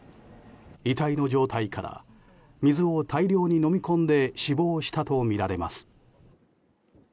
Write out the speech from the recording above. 遺体の状態から水を大量に飲み込んで死亡したとみられます。